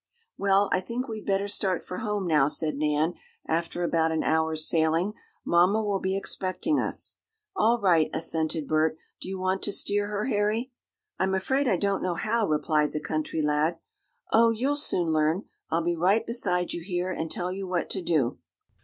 "Well, I think we'd better start for home now," said Nan after about an hour's sailing. "Mamma will be expecting us." "All right," assented Bert. "Do you want to steer her, Harry?" "I'm afraid I don't know how," replied the country lad. "Oh, you'll soon learn. I'll be right beside you here, and tell you what to do."